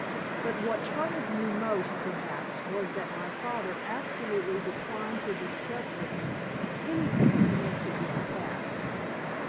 But what troubled me most perhaps was that my father absolutely declined to discuss with me anything connected with the past.